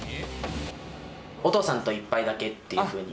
お父さんと一杯だけっていうふうに。